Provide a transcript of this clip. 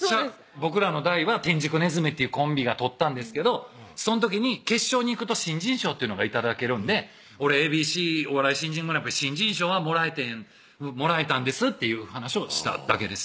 僕らの代は天竺鼠っていうコンビが獲ったんですけどその時に決勝に行くと新人賞っていうのが頂けるんで「俺ＡＢＣお笑い新人グランプリ「もらえたんです」っていう話をしただけです